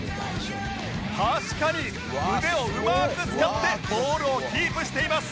確かに腕をうまく使ってボールをキープしています